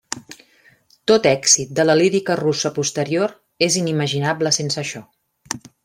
Tot èxit de la lírica russa posterior és inimaginable sense això.